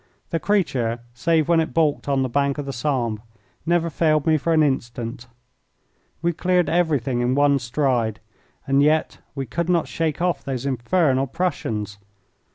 The creature, save when it balked on the bank of the Sambre, never failed me for an instant. We cleared everything in one stride. And yet we could not shake off! those infernal Prussians.